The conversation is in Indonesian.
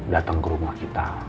dateng ke rumah kita